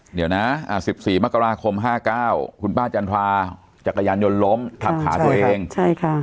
เดี๋ยวนะอ่าสิบสี่มกราคมห้าเก้าคุณป้าจันทราจักรยานยนต์ล้มทับขาตัวเองใช่ค่ะ